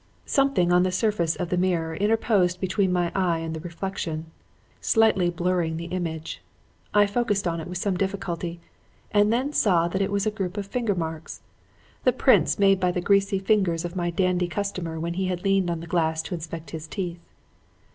"Something on the surface of the mirror interposed between my eye and the reflection, slightly blurring the image. I focussed on it with some difficulty and then saw that it was a group of finger marks; the prints made by the greasy fingers of my dandy customer when he had leaned on the glass to inspect his teeth.